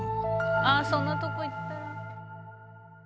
ああそんな所行ったら。